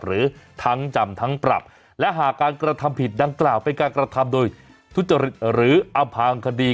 หรือทั้งจำทั้งปรับและหากการกระทำผิดดังกล่าวเป็นการกระทำโดยทุจริตหรืออพางคดี